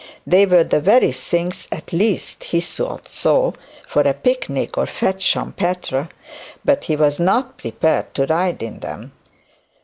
They were the very things, at least he thought so, for a picnic of fete champetre; but he was not prepared to ride in them.